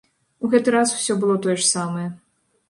У гэты раз усё было тое ж самае.